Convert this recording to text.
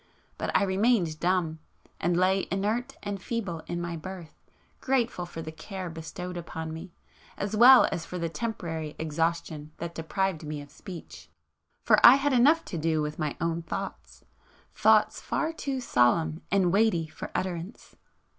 But I remained dumb, and lay inert and feeble in my berth, grateful for the care bestowed upon me, as well as for the temporary exhaustion that deprived me of speech. For I had enough to do with my own thoughts,—thoughts far too solemn and weighty for utterance.